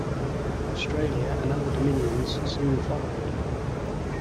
Australia and other dominions soon followed.